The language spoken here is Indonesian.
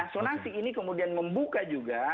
sonasi ini kemudian membuka juga